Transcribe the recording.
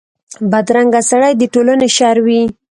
بدرنګه سړي د ټولنې شر وي